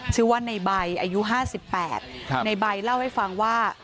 ชื่อว่าในใบอายุ๕๘ในใบเล่าให้ฟังว่า